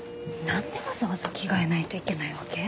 何でわざわざ着替えないといけないわけ？